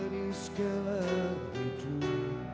di segala hidup